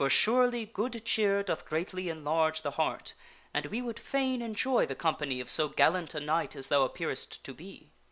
sure iy good cheer doth greatly enlarge the heart, and we would fain enjoy the company of so gallant a knight as thou appearest to be.